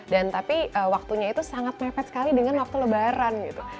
dan tapi waktunya itu sangat mepet sekali dengan waktu lebaran gitu